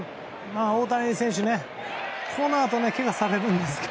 大谷選手、このあとけがをされるんですよ。